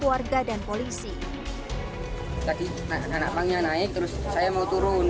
warga dan polisi tadi anak pangnya naik terus saya mau turun